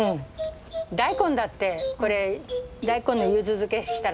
大根だってこれ大根のゆず漬けしたら。